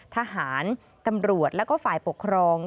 ทหารตำรวจแล้วก็ฝ่ายปกครอง